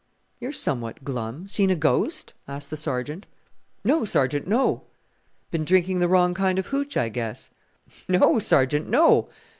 "You're somewhat glum. Seen a ghost?" asked the Sergeant. "No, Sergeant, no!" "Been drinking the wrong kind of hootch, I guess!" "No, Sergeant, no!"